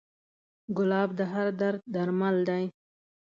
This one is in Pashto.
ګلاب د هر درد درمل دی.